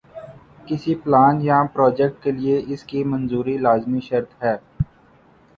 کسی پلان یا پراجیکٹ کے لئے اس کی منظوری لازمی شرط ہے۔